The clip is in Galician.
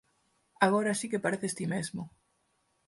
Agora si que pareces ti mesmo.